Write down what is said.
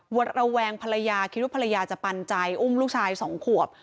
วัดระแวงภรรยาเค็ยว่าภรรยาจะปัญญาอุ้มลูกชายสองควบ